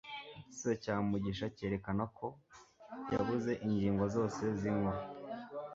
igisubizo cya mugisha cyerekana ko yabuze ingingo zose zinkuru